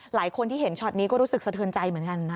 หลายคนที่เห็นช็อตนี้ก็รู้สึกสะเทือนใจเหมือนกันนะ